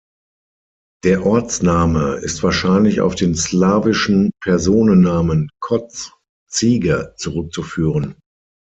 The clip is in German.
Der Ortsname ist wahrscheinlich auf den slawischen Personennamen "koz" „Ziege“ zurückzuführen.